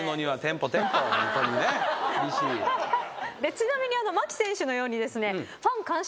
ちなみに牧選手のようにファン感謝